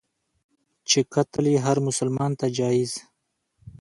چي قتل یې هرمسلمان ته جایز.